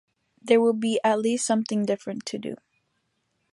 There will be at least something different to do.